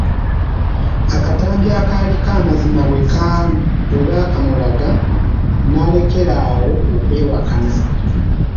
Akatambi akaaliko amazima bwe baakamulaga n'alekera awo okwewakana.